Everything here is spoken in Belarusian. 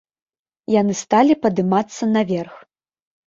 Яны сталі падымацца наверх.